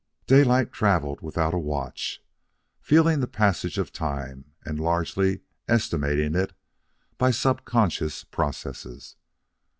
Daylight travelled without a watch, feeling the passage of time and largely estimating it by subconscious processes.